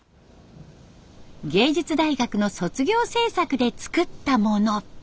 芸術大学の卒業制作で作ったもの。